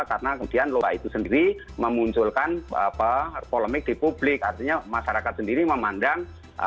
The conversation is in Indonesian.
karena kemudian loba itu sendiri memunculkan polemik di publik artinya masyarakat sendiri memandang